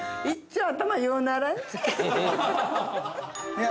いや。